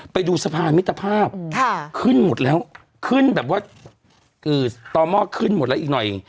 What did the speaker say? ไปดูสะพานมิตรภาพขึ้นหมดแล้วขึ้นแบบว่าต่อหม้อขึ้นหมดแล้วอีกหน่อย